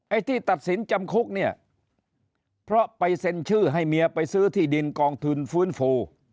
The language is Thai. ที่ตัดสินจำคุกเนี่ยเพราะไปเซ็นชื่อให้เมียไปซื้อที่ดินกองทุนฟื้นฟู